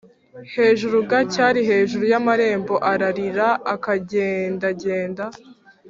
hejuru g cyari hejuru y amarembo ararira Akagendagenda